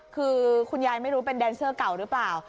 คือคุณยายไม่รู้เป็นแดนเซอร์เก่าหรือเปล่า